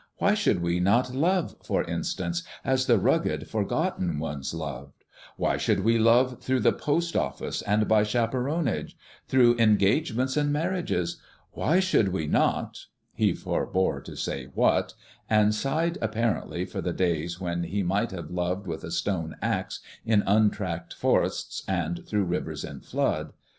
Why should we not love, for instance, as the rugged, forgotten ones loved? Why should we love through the post office and by chaperonage through engagements and marriages? Why should we not " He forbore to say what, and sighed, apparently for the days when he might have loved with a stone axe in untracked forests and through rivers in flood.